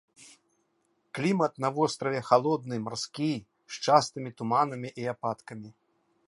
Клімат на востраве халодны марскі, з частымі туманамі і ападкамі.